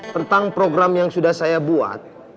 tentang program yang sudah saya buat